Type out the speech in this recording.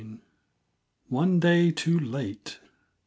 One Day Too Late!